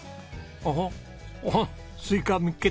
おっスイカ見っけた。